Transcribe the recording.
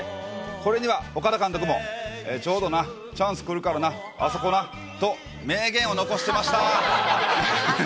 これには岡田監督もちょうどな、チャンスくるからな、あそこな、と名言を残していました。